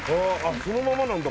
そのままなんだこれ。